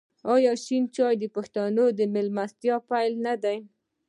آیا شین چای د پښتنو د میلمستیا پیل نه دی؟